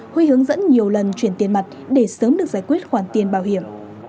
huy hướng dẫn nhiều lần chuyển tiền mặt để sớm được giải quyết khoản tiền bảo hiểm